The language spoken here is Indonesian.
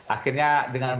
akhirnya dengan pemimpinnya